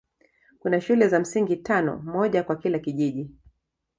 Kuna shule za msingi tano, moja kwa kila kijiji.